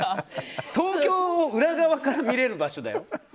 東京を裏側から見れる場所だよ。